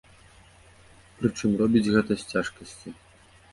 Прычым робіць гэта з цяжкасці.